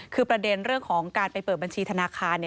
คือประเด็นเรื่องของการไปเปิดบัญชีธนาคาร